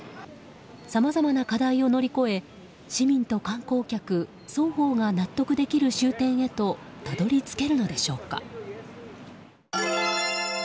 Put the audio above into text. さまざまな課題を乗り越え市民と観光客双方が納得できる終点へとたどり着けるのでしょうか。